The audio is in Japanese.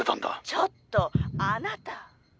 ちょっとあなた。